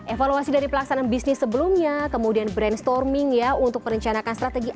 evaluasi dari pelaksanaan bisnis sebelumnya kemudian brainstorming ya untuk perencanakan strategi